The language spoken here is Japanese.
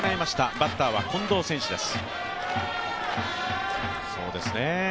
バッターは、近藤選手です。